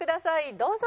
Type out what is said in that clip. どうぞ。